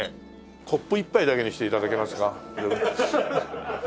コップ１杯だけにして頂けますか？